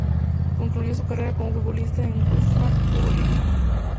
Concluyó su carrera como futbolista en Wilstermann de Bolivia.